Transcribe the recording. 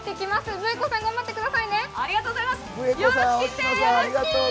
ブエコさん、頑張ってくださいね。